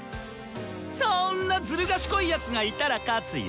そんなズル賢いヤツがいたら勝つヨ！